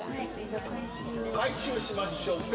回収しましょうか。